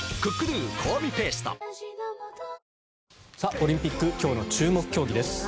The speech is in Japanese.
オリンピック今日の注目競技です。